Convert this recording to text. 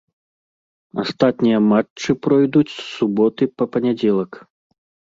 Астатнія матчы пройдуць з суботы па панядзелак.